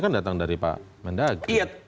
kan datang dari pak mendag iya